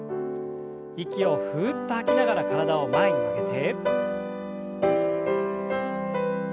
息をふっと吐きながら体を前に曲げて。